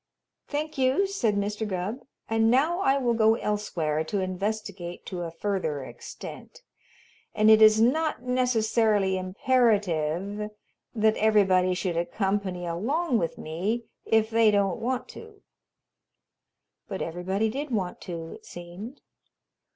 "Thank you," said Mr. Gubb, "and now I will go elsewhere to investigate to a further extent, and it is not necessarily imperative that everybody should accompany along with me if they don't want to." But everybody did want to, it seemed.